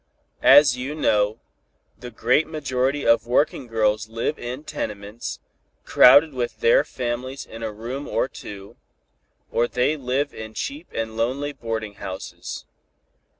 As you know, the great majority of working girls live in tenements, crowded with their families in a room or two, or they live in cheap and lonely boarding houses.